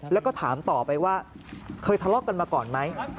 แล้วก็ถามต่อไปว่าเคยทะเลาะกันมาก่อนไหม